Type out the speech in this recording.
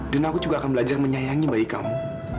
dan aku juga akan belajar menyayangi bayi kamu